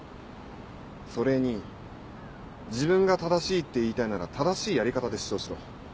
それに自分が正しいって言いたいなら正しいやり方で主張しろ。